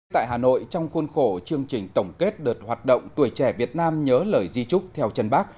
tại hà nội trong khuôn khổ chương trình tổng kết đợt hoạt động tuổi trẻ việt nam nhớ lời di trúc theo chân bác